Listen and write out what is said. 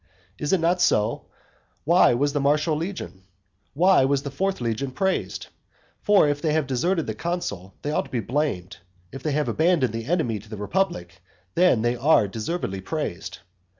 Is it not so? Why was the Martial legion? why was the fourth legion praised? For if they have deserted the consul, they ought to be blamed; if they have abandoned an enemy to the republic, then they are deservedly praised.